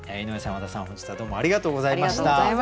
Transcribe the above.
和田さん本日はどうもありがとうございました。